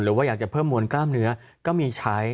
หรือว่าอยากจะเพิ่มมวลกล้ามเนื้อก็มีใช้